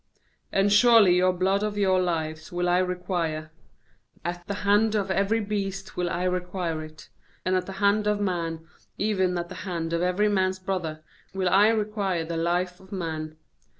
5And surely your blood of your lives will I require; at the hand of every beast will I require it; and at the hand of man, even at the hand of every man's brother, will I require the life of man.